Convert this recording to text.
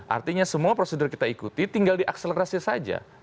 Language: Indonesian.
artinya semua prosedur kita ikuti tinggal diakselerasi saja